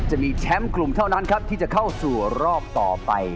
จะมีแชมป์กลุ่มเท่านั้นครับที่จะเข้าสู่รอบต่อไป